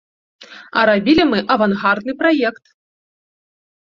А рабілі мы авангардны праект!